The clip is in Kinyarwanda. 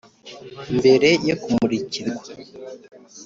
mbere yo kumurikirwa,